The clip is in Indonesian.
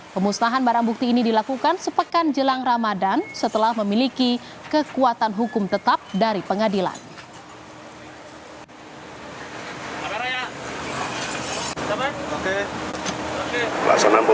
pemusnahan barang bukti ini dilakukan sepekan jelang ramadan setelah memiliki kekuatan hukum tetap dari pengadilan